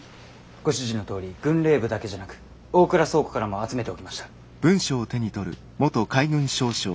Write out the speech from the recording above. ご指示のとおり軍令部だけじゃなく大倉倉庫からも集めておきました。